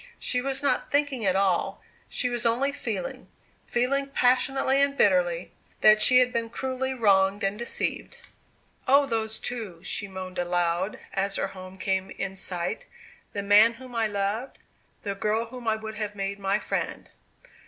She was not thinking at all; she was only feeling feeling passionately and bitterly that she had been cruelly wronged and deceived. "Oh those two!" she moaned aloud, as her home came in sight. "The man whom I loved the girl whom I would have made my friend!"